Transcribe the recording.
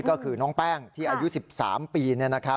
ก็คือน้องแป้งที่อายุ๑๓ปี